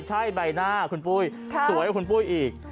ใช่ใบหน้าคุณปุ้ยสวยกว่าคุณปุ้ยอีก